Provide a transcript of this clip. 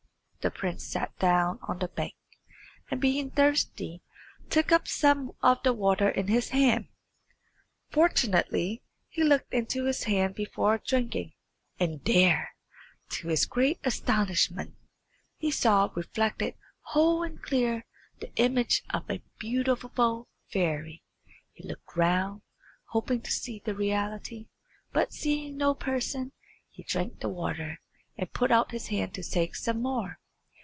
The prince sat down on the bank, and being thirsty took up some of the water in his hand. Fortunately he looked into his hand before drinking, and there, to his great astonishment, he saw reflected whole and clear the image of a beautiful fairy. He looked round, hoping to see the reality; but seeing no person, he drank the water, and put out his hand to take some more.